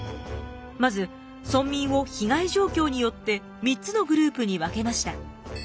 まず村民を被害状況によって３つのグループに分けました。